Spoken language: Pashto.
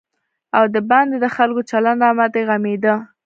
او د باندې د خلکو چلند راباندې غمېده.